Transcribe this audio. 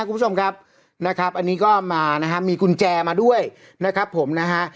คุณผู้ชมครับนะครับอันนี้ก็มานะฮะมีกุญแจมาด้วยนะครับผมนะฮะ